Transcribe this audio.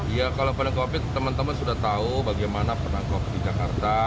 iya kalau pandemi covid sembilan belas teman teman sudah tahu bagaimana penangkup di jakarta